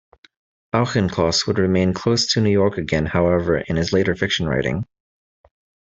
Auchincloss would remain close to New York again, however, in his later fiction writing.